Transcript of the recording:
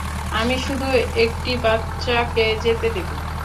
আমি শুধু একটি বাচ্চাকে যেতে দেবো।